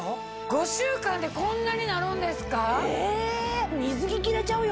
５週間でこんなになるんですか！